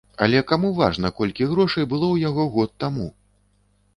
Але каму важна, колькі грошай было ў яго год таму?